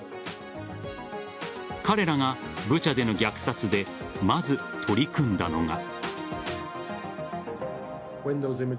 彼らがブチャでの虐殺でまず取り組んだのが。